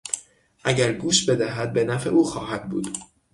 اگر گوش بدهد به نفع او خواهد بود.